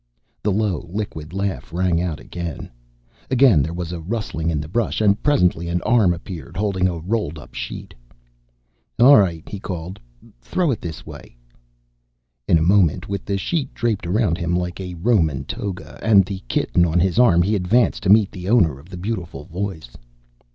The low, liquid laugh rang out again; again there was a rustling in the brush, and presently an arm appeared, holding a rolled up sheet. "All right," he called. "Throw it this way." In a moment, with the sheet draped around him like a Roman toga, and the kitten on his arm, he advanced to meet the owner of the beautiful voice.